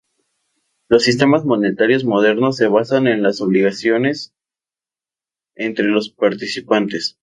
Los sistemas monetarios modernos se basan en las obligaciones entre los participantes.